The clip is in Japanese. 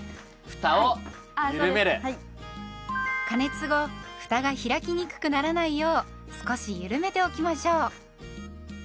加熱後ふたが開きにくくならないよう少しゆるめておきましょう。